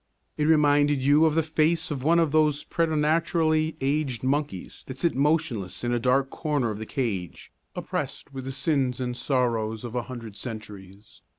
It reminded you of the face of one of those preternaturally aged monkeys that sit motionless in a dark corner of the cage, oppressed with the sins and sorrows of a hundred centuries.